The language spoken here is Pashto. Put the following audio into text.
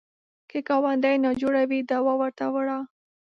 که ګاونډی ناجوړه وي، دوا ورته وړه